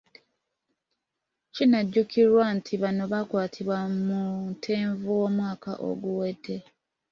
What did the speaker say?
Kinajjukirwa nti bano baakwatibwa mu Ntenvu w’omwaka oguwedde.